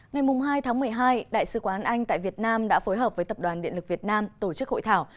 ngày hai tháng một mươi hai đại sứ quán anh tại việt nam đã phối hợp với tập đoàn điện lực việt nam tổ chức hội thảo